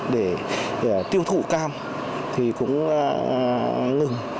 để tiêu thụ cam thì cũng ngừng